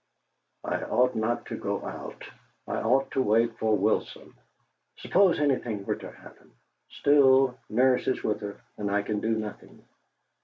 'I ought not to go out. I ought to wait for Wilson. Suppose anything were to happen. Still, nurse is with her, and I can do nothing.